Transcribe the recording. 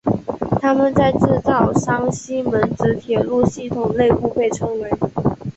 它们在制造商西门子铁路系统内部被称为。